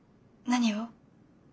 何を？